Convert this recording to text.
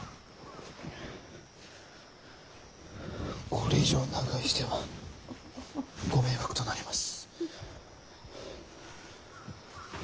これ以上長居してはご迷惑となります。